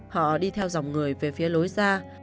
họ đi theo dòng người về phía lối ra